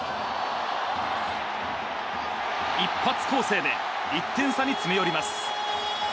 一発攻勢で１点差に詰め寄ります。